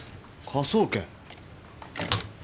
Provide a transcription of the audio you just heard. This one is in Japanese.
科捜研？